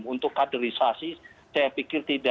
untuk kaderisasi saya pikir